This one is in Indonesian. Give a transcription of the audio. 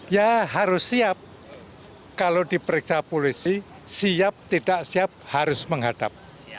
ya harus siap kalau diperiksa polisi siap tidak siap harus menghadap